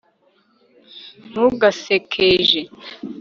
ntugasekeje